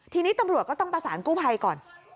ทีนี้ตำรวจก็ต้องประสานกู้ภัยก่อน